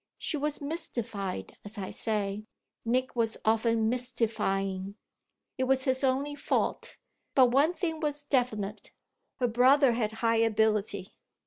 She was mystified, as I say Nick was often mystifying, it was his only fault but one thing was definite: her brother had high ability.